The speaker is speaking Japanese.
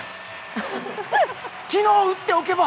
昨日打っておけば！